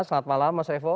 selamat malam mas evo